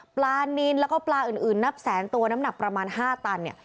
ปลานินแล้วก็ปลาอื่นนับแสนตัวน้ำหนักประมาณ๕ตันเนี่ย